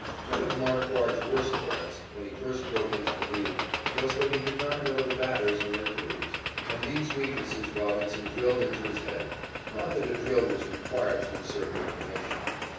One of Marquard's worst faults, when he first broke into the League, was that he did not know the batters and their grooves, and these weaknesses Robinson drilled into his head not that a drill was required to insert the information.